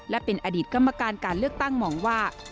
และเป็นอดีตกรรมการการเลือกตั้งมองว่า